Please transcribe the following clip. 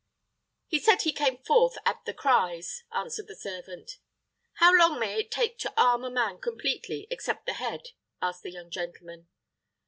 "He said he came forth at the cries," answered the servant. "How long may it take to arm a man completely, except the head?" asked the young gentleman.